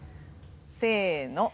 せの。